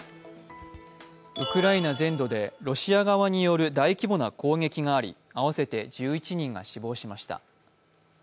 ウクライナ全土でロシア側による大規模な攻撃があり合わせて１１人が死亡しました。